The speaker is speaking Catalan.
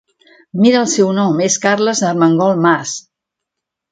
Mira el seu nom és Carles Armengol Mas.